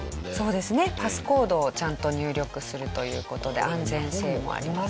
パスコードをちゃんと入力するという事で安全性もあります。